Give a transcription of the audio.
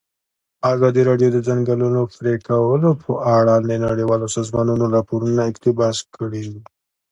ازادي راډیو د د ځنګلونو پرېکول په اړه د نړیوالو سازمانونو راپورونه اقتباس کړي.